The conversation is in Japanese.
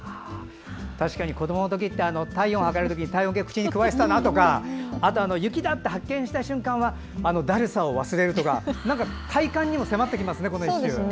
確かに、子どものときって体温を測るときに体温計を口にくわえていたりとかあと、雪だ！と発見した瞬間はだるさを忘れるとか体感にも迫ってきますね